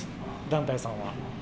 団体さんは。